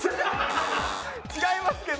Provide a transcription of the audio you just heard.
違いますけど。